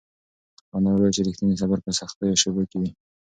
انا وویل چې رښتینی صبر په سختو شېبو کې وي.